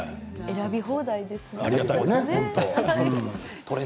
選び放題ですよね。